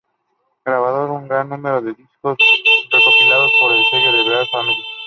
Grabaron un gran número de discos, recopilados por el sello Bear Family.